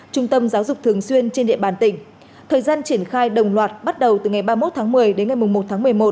trung tâm giáo dục thường xuyên trên địa bàn tỉnh thời gian triển khai đồng loạt bắt đầu từ ngày ba mươi một tháng một mươi đến ngày một tháng một mươi một